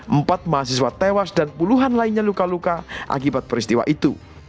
empat mahasiswa tewas dan puluhan lainnya luka luka akibat peristiwa itu